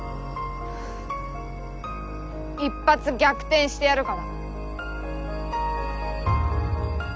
一発逆転してやるから。